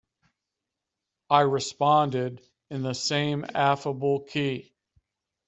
I responded in the same affable key.